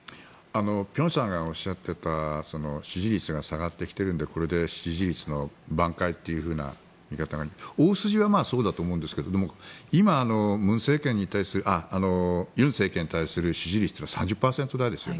辺さんがおっしゃっていた支持率が下がってきているのでこれで支持率のばん回というふうな見方が大筋はそうだと思うんですけど今、尹政権に対する支持率は３０％台ですよ。